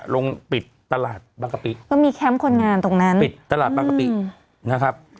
ลงปิดตลาดบางกะปิก็มีแคมป์คนงานตรงนั้นปิดตลาดบางกะปินะครับ